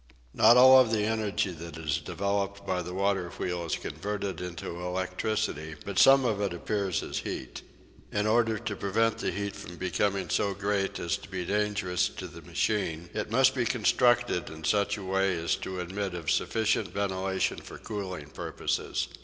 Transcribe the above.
Not all of the energy that is developed by the water wheel is converted into electricity, but some of it appears as heat. In order to prevent the heat from becoming so great as to be dangerous to the machine it must be constructed in such a way as to admit of sufficient ventilation for cooling purposes.